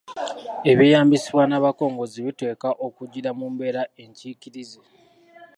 ebyeyambisibwa n’abakongozzi biteekwa okugiira mu mbeera enkiikirizi.